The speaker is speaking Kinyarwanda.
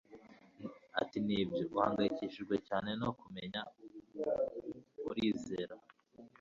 Ati Nibyo uhangayikishijwe cyane no kumenya Urizera